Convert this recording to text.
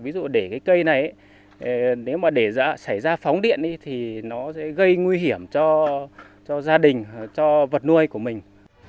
ví dụ để cái cây này nếu mà để xảy ra phóng điện thì nó sẽ gây nguy hiểm cho gia đình cho vật nuôi của mình